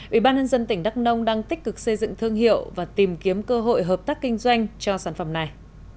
ủy ban nhân dân tỉnh đắk nông đang tích cực xây dựng thương hiệu và tìm kiếm cơ hội hợp tác kinh doanh cho sản phẩm này